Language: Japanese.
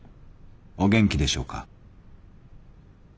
お元気でしょうか？